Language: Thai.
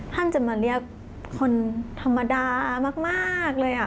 ท่านจะมาเรียกคนธรรมดามากเลย